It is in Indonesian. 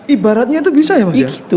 ibaratnya itu bisa ya pak jokowi